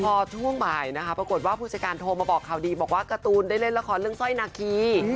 พอช่วงบ่ายนะคะปรากฏว่าผู้จัดการโทรมาบอกข่าวดีบอกว่าการ์ตูนได้เล่นละครเรื่องสร้อยนาคี